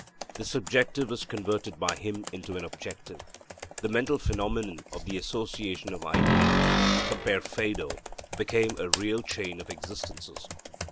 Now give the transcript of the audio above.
The subjective was converted by him into an objective; the mental phenomenon of the association of ideas (compare Phaedo) became a real chain of existences.